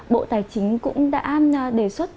bộ tài chính cũng đã đề xuất